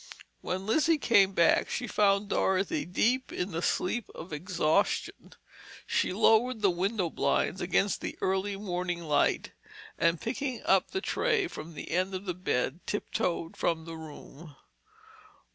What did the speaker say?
When Lizzie came back she found Dorothy deep in the sleep of exhaustion. She lowered the window blinds against the early morning light and picking up the tray from the end of the bed, tiptoed from the room.